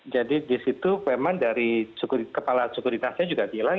jadi di situ memang dari kepala sekuritasnya juga bilang